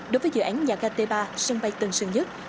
đối với dự án nhà ga t ba sân bay tân sơn nhất